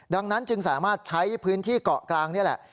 ดังนั้นจึงสามารถใช้พื้นที่เกาะกลางนี่แหละ